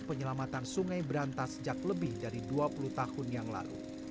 penyelamatan sungai berantas sejak lebih dari dua puluh tahun yang lalu